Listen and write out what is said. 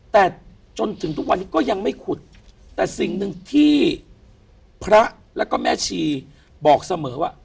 แต่จนถึงทุกวันนี้ก็ยังไม่ขุดแต่สิ่งหนึ่งที่พระแล้วก็แม่ชีบอกเสมอว่า